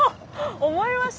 思いました。